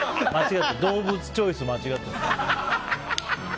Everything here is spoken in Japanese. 動物チョイス間違ってます。